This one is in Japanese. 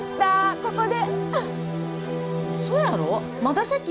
ここで！